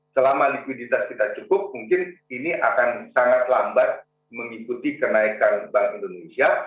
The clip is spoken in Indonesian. selama likuiditas kita cukup mungkin ini akan sangat lambat mengikuti kenaikan bank indonesia